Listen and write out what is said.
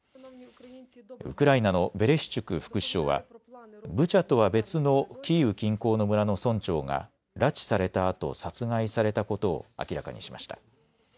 ウクライナのベレシチュク副首相はブチャとは別のキーウ近郊の村の村長が拉致されたあと殺害されたことを明らかにしました。